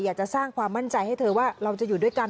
อยากจะสร้างความมั่นใจให้เธอว่าเราจะอยู่ด้วยกัน